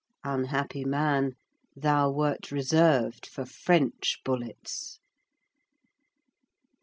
Unhappy man, thou wert reserved for French bullets!